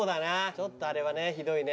ちょっとあれはねひどいね。